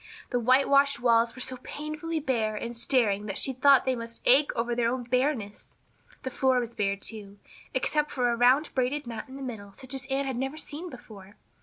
The whitewashed walls were so painfully bare and staring that she thought they must ache over their own bareness. The floor was bare, too, except for a round braided mat in the middle such as Anne had never seen before.